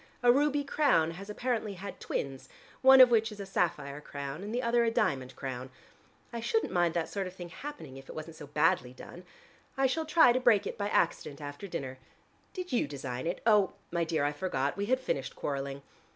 A ruby crown has apparently had twins, one of which is a sapphire crown and the other a diamond crown. I shouldn't mind that sort of thing happening, if it wasn't so badly done. I shall try to break it by accident after dinner. Did you design it? My dear, I forgot: we had finished quarreling.